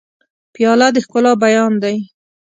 پیاله د ښکلا بیان دی.